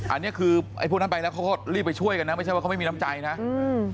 อันนี้คือไอ้พวกนั้นไปแล้วเขาก็รีบไปช่วยกันนะไม่ใช่ว่าเขาไม่มีน้ำใจนะอืม